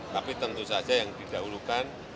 tapi tentu saja yang didahulukan